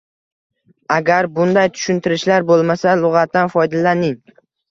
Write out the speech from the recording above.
Agar bunday tushuntirishlar boʻlmasa, lugʻatdan foydalaning